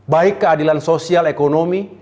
baik keadilan sosial ekonomi